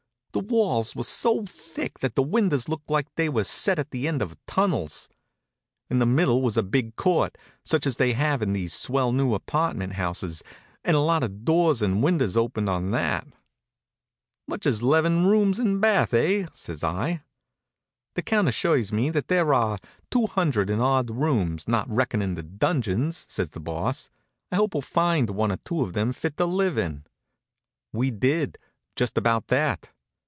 The walls were so thick that the windows looked like they were set at the end of tunnels. In the middle was a big court, such as they have in these swell new apartment houses, and a lot of doors and windows opened on that. "Much as 'leven rooms and bath, eh?" says I. "The Count assures me that there are two hundred and odd rooms, not reckoning the dungeons," said the Boss. "I hope we'll find one or two of them fit to live in." We did, just about that.